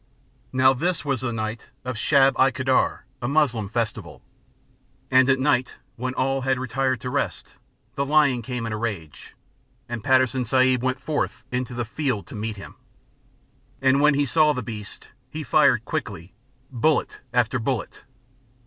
Now this was the night of Shab i Kadr, a Muslim festival: And at night when all had retired to rest, the lion came in a rage, And Patterson Sahib went forth into the field to meet him. And when he saw the beast, he fired quickly, bullet after bullet.